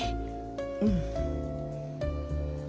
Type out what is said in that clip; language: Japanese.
うん。